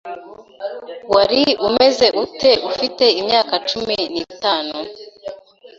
Wari umeze ute ufite imyaka cumi n'itanu?